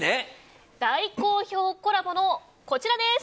大好評コラボの、こちらです。